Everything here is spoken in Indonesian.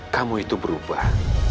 kamu itu berubah